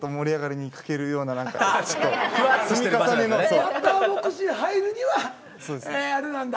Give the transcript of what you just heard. バッターボックスに入るにはあれなんだ。